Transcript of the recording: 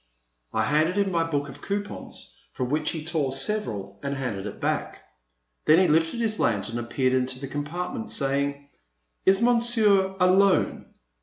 *' I handed him my book of coupons from which he tore several and handed it back. Then he lifted his lantern and peered into the compartment saying :Is Monsieur alone